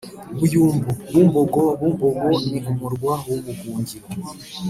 buyumbu: bumbogo bumbogo ni umurwa w’ubuhungiro